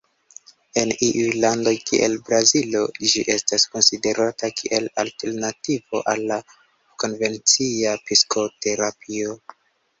En iuj landoj kiel Brazilo ĝi estas konsiderata kiel alternativo al la konvencia psikoterapio.